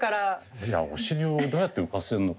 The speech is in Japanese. いやお尻をどうやって浮かせんのか。